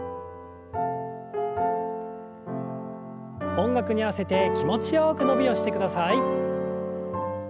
音楽に合わせて気持ちよく伸びをしてください。